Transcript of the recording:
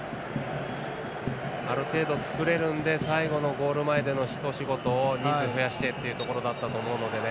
ある程度作れるので最後のゴール前での一仕事を人数増やしてというところだと思うのでね。